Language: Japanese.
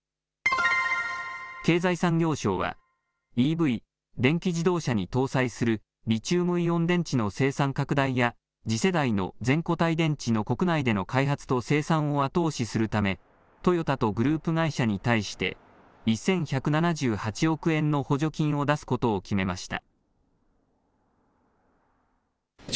経済産業省はＥＶ、電気自動車に搭載するリチウムイオン電池の生産拡大や次世代の全固体電池の国内での開発と生産を後押しするためトヨタとグループ会社に対して１１７８億円の補助金を出すことを決めました。